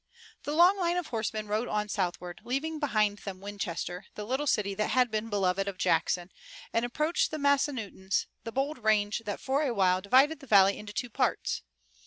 The long line of horsemen rode on southward, leaving behind them Winchester, the little city that had been beloved of Jackson, and approached the Massanuttons, the bold range that for a while divided the valley into two parts.